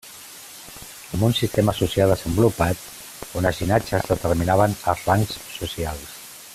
Amb un sistema social desenvolupat on els llinatges determinaven els rangs socials.